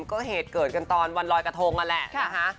ก็เหตุเกิดกันตอนวันรอยกระทงอะแหละ